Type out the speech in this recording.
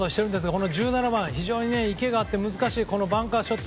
この１７番非常に池があって難しいバンカーショット。